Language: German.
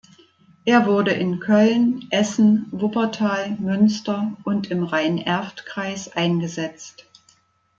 Er wurde in Köln, Essen, Wuppertal, Münster und im Rhein-Erft-Kreis eingesetzt.